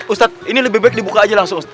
ustadz ini lebih baik dibuka aja langsung